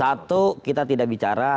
satu kita tidak bicara